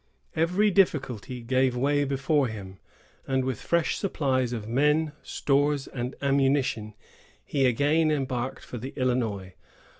Every difficulty gave way before him; and with fresh supplies of men, stores, and ammunition, he again embarked for the Illinois.